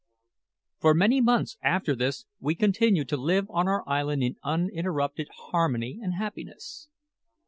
For many months after this we continued to live on our island in uninterrupted harmony and happiness.